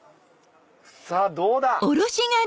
さぁどうだ？